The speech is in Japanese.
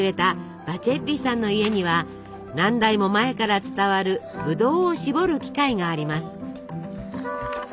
バチェッリさんの家には何代も前から伝わるブドウをしぼる機械があります。